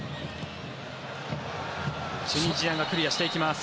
チュニジアがクリアしていきます。